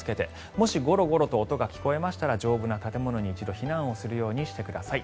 もしゴロゴロと音が聞こえましたら丈夫な建物に一度、避難をするようにしてください。